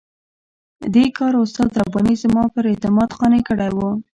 دې کار استاد رباني زما پر اعتماد قانع کړی وو.